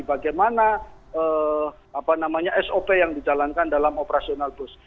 bagaimana sop yang dijalankan dalam operasional bus